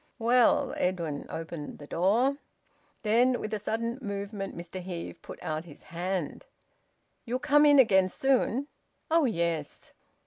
"Well " Edwin opened the door. Then with a sudden movement Mr Heve put out his hand. "You'll come in again soon?" "Oh yes."